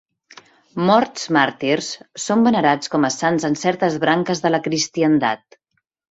Morts màrtirs, són venerats com a sants en certes branques de la cristiandat.